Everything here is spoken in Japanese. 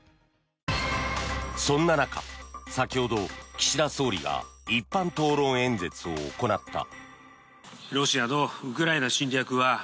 そんな中、先ほど岸田総理が一般討論演説を行った。